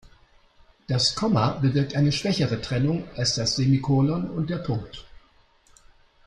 Das Komma bewirkt eine schwächere Trennung als das Semikolon und der Punkt.